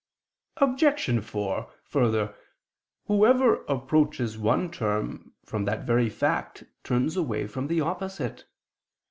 Obj. 4: Further, whoever approaches one term, from that very fact turns away from the opposite.